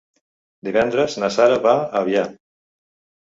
Divendres na Sara va a Avià.